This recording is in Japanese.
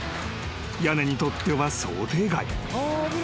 ［屋根にとっては想定外］